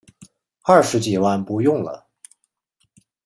二十几万不用了